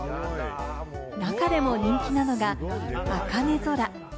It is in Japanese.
中でも人気なのが、茜空。